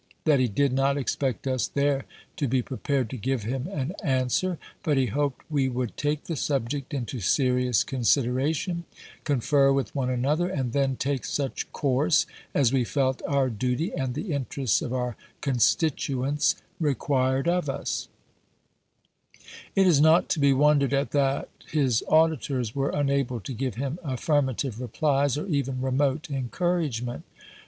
That he did not expect us there to be pre pared to give him an answer, but he hoped we would take the subject into serious consideration, confer with one ^fg^g^oj?'^' another, and then take such course as we felt our duty of the and the interests of our constituents required of us. p. 210 et seq. It is not to be wondered at that his auditors were unable to give him affirmative replies, or even remote encouragement.